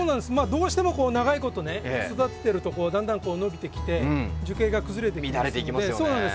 どうしても長い事育ててるとだんだん伸びてきて樹形が崩れてきますので。